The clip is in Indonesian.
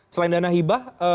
selain dana hibah